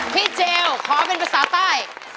พี่เจวขอเป็นภาษาใต้